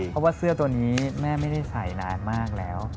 เพราะว่าเสื้อตัวนี้แม่ไม่ได้ใส่นานมากแล้ว